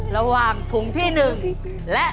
ระหว่างถุงที่๑และ